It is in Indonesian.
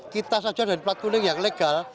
kita saja dan plat kuning yang legal